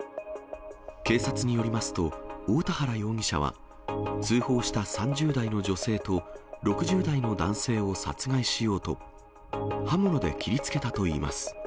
警察によりますと、大田原容疑者は、通報した３０代の女性と、６０代の男性を殺害しようと、刃物で切りつけたといいます。